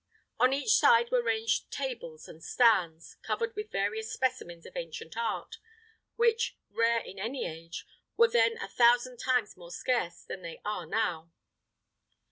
On each side were ranged tables and stands, covered with various specimens of ancient art, which, rare in any age, were then a thousand times more scarce than they are now.